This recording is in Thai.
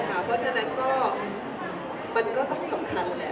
เพราะฉะนั้นก็มันก็ต้องสำคัญแหละ